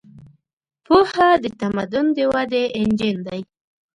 پوهه د تمدن د ودې انجن دی.